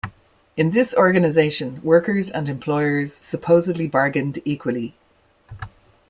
In this organisation, workers and employers supposedly bargained equally.